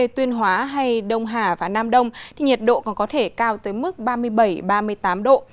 tuyên hóa hay đông hà và nam đông thì nhiệt độ còn có thể cao tới mức ba mươi bảy ba mươi tám độ